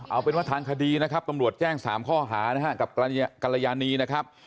เอาเป็นว่าทางคดีนะครับตำรวจแจ้ง๓ข้อหานะฮะกับกรยานีนะครับ